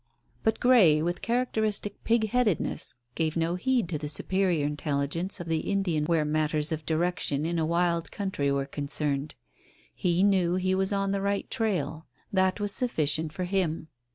But Grey, with characteristic pig headedness, gave no heed to the superior intelligence of the Indian where matters of direction in a wild country were concerned. He knew he was on the right trail. That was sufficient for him.